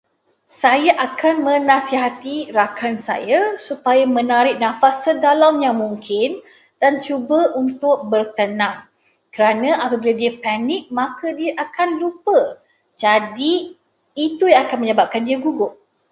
Saya akan menasihati rakan saya supaya menarik nafas sedalam yang mungkin dan cuba untuk bertenang. Kerana apabila dia panik, maka dia akan lupa, Jadi, itu yang akan membuatkan dia gugup.